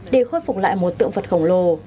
để khôi phục lại một tượng vật khổng lồ